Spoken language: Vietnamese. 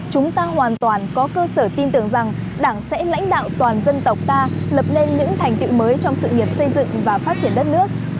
chúng ta hoàn toàn có cơ sở tin tưởng rằng đảng sẽ lãnh đạo toàn dân tộc ta lập nên những thành tựu mới trong sự nghiệp xây dựng và phát triển đất nước